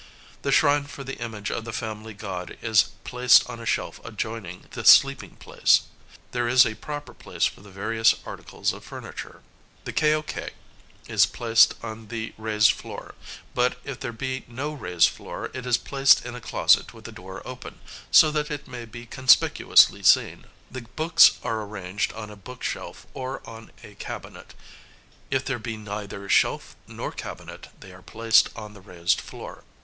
The shrine for the image of the family god is placed on a shelf adjoining the sleeping place. There is a proper place for the various articles of furniture. The kaioké is placed on the raised floor; but if there be no raised floor, it is placed in a closet with the door open, so that it may be conspicuously seen. The books are arranged on a book shelf or on a cabinet; if there be neither shelf nor cabinet, they are placed on the raised floor.